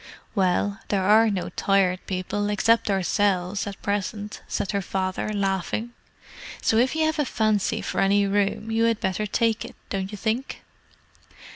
"Well, there are no Tired People, except ourselves, at present," said her father, laughing. "So if you have a fancy for any room, you had better take it, don't you think?"